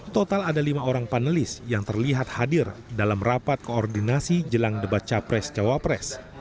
total ada lima orang panelis yang terlihat hadir dalam rapat koordinasi jelang debat capres cawapres